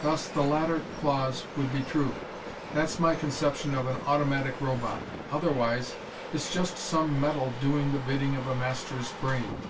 Thus, the latter clause would be true! That's my conception of an automatic robot! Otherwise, its just some metal doing the bidding of a master's brain.